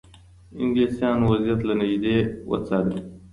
انګلیسانو وضعیت له نږدې وڅار.